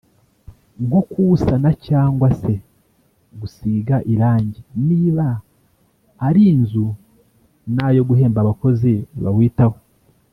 nko kuwusana cyangwa se gusiga irange niba ari nzu n’ayo guhemba abakozi bawitaho